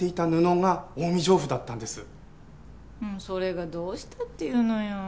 それがどうしたって言うのよ。